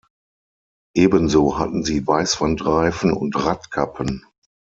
Ebenso hatten sie Weißwandreifen und Radkappen.